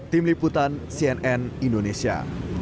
tim liputan cnn indonesia